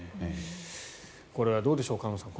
これはどうでしょう菅野さん。